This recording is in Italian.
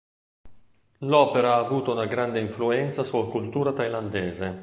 L'opera ha avuto una grande influenza sulla cultura thailandese.